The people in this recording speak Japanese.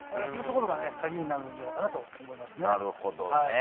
そういったところが鍵になるんじゃないかと思います。